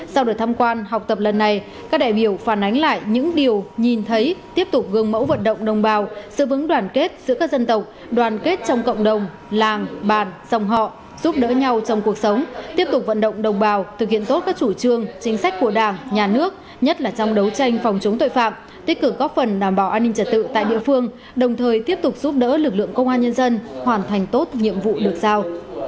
sau được thăm quan học tập lần này các đại biểu phản ánh lại những điều nhìn thấy tiếp tục gương mẫu vận động đồng bào sự vững đoàn kết giữa các dân tộc đoàn kết trong cộng đồng làng bàn dòng họ giúp đỡ nhau trong cuộc sống tiếp tục vận động đồng bào thực hiện tốt các chủ trương chính sách của đảng nhà nước nhất là trong đấu tranh phòng chống tội phạm tích cực góp phần đảm bảo an ninh trật tự tại địa phương đồng thời tiếp tục giúp đỡ lực lượng công an nhân dân hoàn thành tốt nhiệm vụ được giao